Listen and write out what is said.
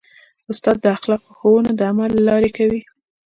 استاد د اخلاقو ښوونه د عمل له لارې کوي.